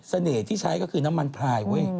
ที่ใช้ก็คือน้ำมันพลายเว้ย